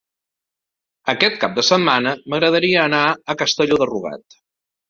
Aquest cap de setmana m'agradaria anar a Castelló de Rugat.